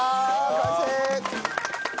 完成！